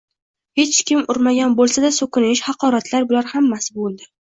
Hech kim urmagan bo‘lsa-da, so‘kinish, haqoratlar – bular hammasi bo‘ldi.